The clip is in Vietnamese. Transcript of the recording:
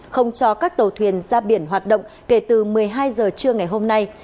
không cho các tàu thuyền ra biển hoạt động kể từ một mươi hai h trưa ngày hôm nay